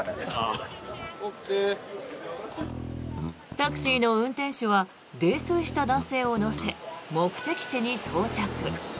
タクシーの運転手は泥酔した男性を乗せ目的地に到着。